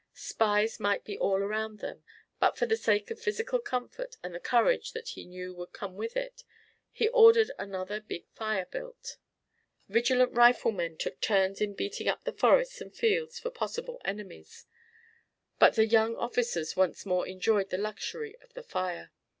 Spies might be all around them, but for the sake of physical comfort and the courage that he knew would come with it, he ordered another big fire built. Vigilant riflemen took turns in beating up the forests and fields for possible enemies, but the young officers once more enjoyed the luxury of the fire.